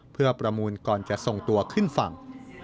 เพื่อประมูลก่อนจะส่งตัวขึ้นฝั่ง